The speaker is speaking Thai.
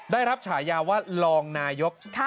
ได้รับฉายาว่ารองนายก